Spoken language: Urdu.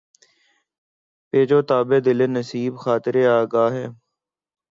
پیچ و تابِ دل نصیبِ خاطرِ آگاہ ہے